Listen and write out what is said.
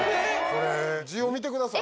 これ字を見てください。